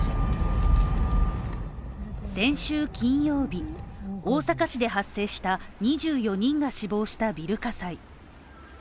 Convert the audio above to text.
先週金曜日大阪市で発生した２４人が死亡したビル火災。